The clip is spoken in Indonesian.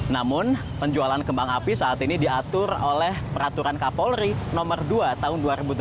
namun penjualan kembang api saat ini diatur oleh peraturan kapolri nomor dua tahun dua ribu delapan belas